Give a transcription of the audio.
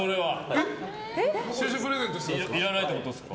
視聴者プレゼントしてくれるんですか？